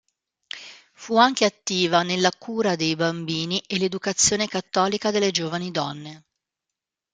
Fu anche attiva nella cura dei bambini e l'educazione cattolica delle giovani donne.